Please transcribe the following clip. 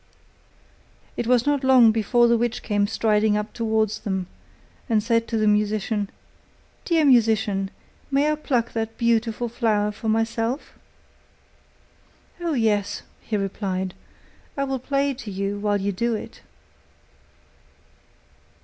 It was not long before the witch came striding up towards them, and said to the musician: 'Dear musician, may I pluck that beautiful flower for myself?' 'Oh, yes,' he replied, 'I will play to you while you do it.